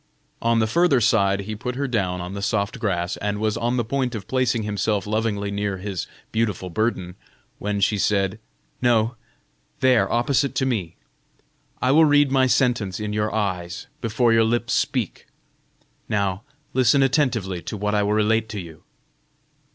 On the further side he put her down on the soft grass, and was on the point of placing himself lovingly near his beautiful burden, when she said: "No, there opposite to me! I will read my sentence in your eyes, before your lips speak; now, listen attentively to what I will relate to you."